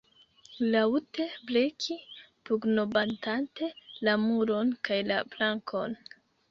Laŭte bleki pugnobatante la muron kaj la plankon.